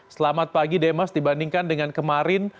selamat pagi demas dibandingkan dengan kemarin